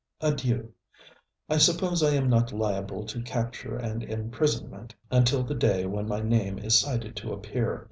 Adieu. I suppose I am not liable to capture and imprisonment until the day when my name is cited to appear.